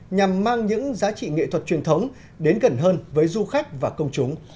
nhằm mang những giá trị nghệ thuật truyền thống đến gần hơn với du khách và công chúng